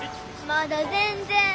まだ全然。